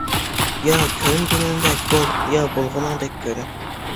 يا كۆرۈنگىنىڭدەك بول، يا بولغىنىڭدەك كۆرۈن!